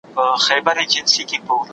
خپل ځان په پوره دقت سره وګوره.